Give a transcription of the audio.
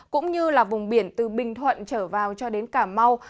cũng như là vùng biển từ bình thuận trở vào cho đến cà mau